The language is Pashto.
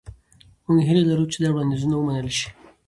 موږ هیله لرو چې دا وړاندیزونه ومنل شي.